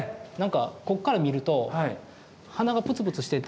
こっから見ると鼻がプツプツしてて。